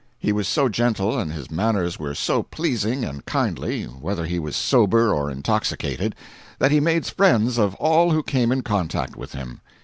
He was so gentle, and his manners were so pleasing and kindly, whether he was sober or intoxicated, that he made friends of all who came in contact with him.